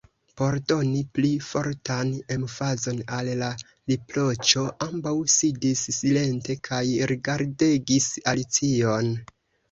Por doni pli fortan emfazon al la riproĉo, ambaŭ sidis silente kaj rigardegis Alicion.